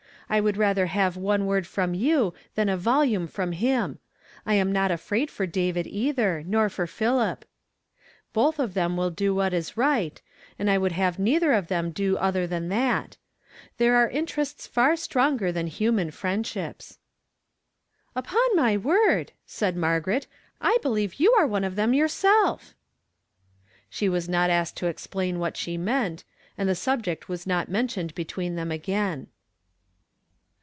I would rather have one word from you than a volume from him. I am not afraid for David, either, nor for Philip. Hotli of them will do what is right, and I would have neither of them do other than that. There are interests far stronger than human friendships." "Upon my word," said Margaret, "I believe you are one of them yourself !" She was not asked to explain what she meant ; and the subject was not mentioned between them again.